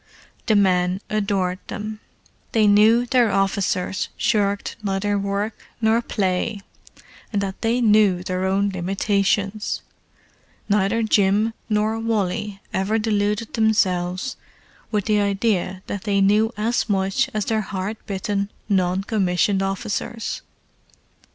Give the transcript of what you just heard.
The men adored them: they knew their officers shirked neither work nor play, and that they knew their own limitations—neither Jim nor Wally ever deluded themselves with the idea that they knew as much as their hard bitten non commissioned officers.